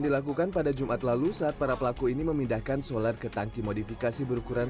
dilakukan pada jumat lalu saat para pelaku ini memindahkan solar ke tangki modifikasi berukuran